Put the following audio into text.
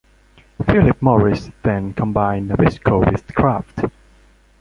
Philip Morris then combined Nabisco with Kraft.